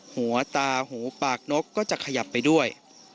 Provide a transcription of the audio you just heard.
หัวตาหูปากนกก็จะขยับไปด้วย